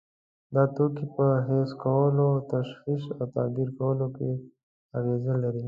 دا توکي په حس کولو، تشخیص او تعبیر کولو کې اغیزه لري.